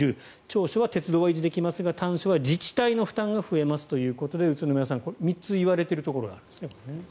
長所は鉄道が維持できますが短所は自治体の負担が増えますということで宇都宮さん３つ言われているところがあるんですね。